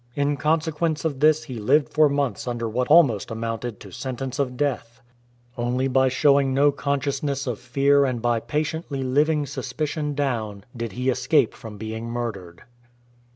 In conse quence of this he lived for months under what almost amounted to sentence of death. Only by showing no 29 THE LIVING SKELETON consciousness of fear and by patiently living suspicion down, did he escape from being murdered.